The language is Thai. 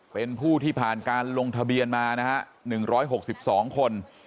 เป็นผู้ที่ผ่านการลงทะเบียนมานะฮะ๑๖๒คน